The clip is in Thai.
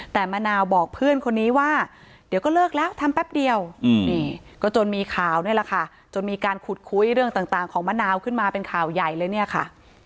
แต่มะนาวบอกเพื่อนคนนี้ว่าเดี๋ยวก็เลิกแล้วทำแป๊บเดียวนี่ก็จนมีข่าวนี่แหละค่ะจนมีการขุดคุยเรื่องต่างของมะนาวขึ้นมาเป็นข่าวใหญ่เลยเนี่ยค่ะ